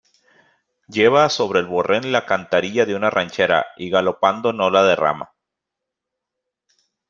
lleva sobre el borrén la cantarilla de una ranchera, y galopando no la derrama.